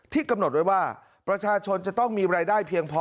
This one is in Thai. กำหนดไว้ว่าประชาชนจะต้องมีรายได้เพียงพอ